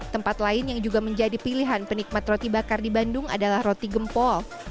tempat lain yang juga menjadi pilihan penikmat roti bakar di bandung adalah roti gempol